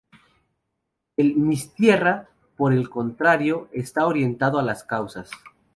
El Miss Tierra, por el contrario está orientado a las causas.